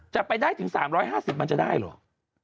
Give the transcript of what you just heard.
จะไปได้ถึง๓๕๐มันจะได้เหรอ